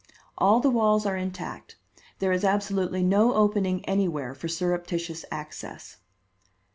All the walls are intact; there is absolutely no opening anywhere for surreptitious access."